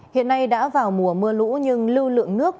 hiện nay đã vào mùa mưa lũ nhưng lưu lượng nước